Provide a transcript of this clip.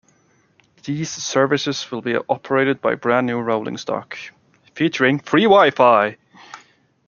These services will be operated by brand new rolling stock, featuring free WiFi.